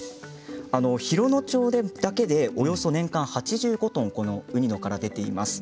洋野町だけでおよそ年間８５トンウニの殻が出ています。